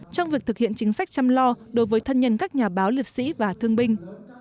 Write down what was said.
trong việc thực hiện chính sách chăm lo đối với thân nhân các nhà báo liệt sĩ và thương binh